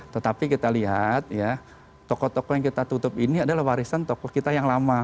tetapi kita lihat toko toko yang kita tutup ini adalah warisan toko kita yang lama